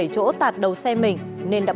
bảy chỗ tạt đầu xe mình nên đã